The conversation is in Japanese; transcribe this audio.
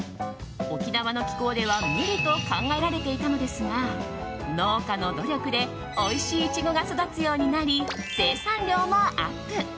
沖縄の気候では無理と考えられていたのですが農家の努力でおいしいイチゴが育つようになり生産量もアップ。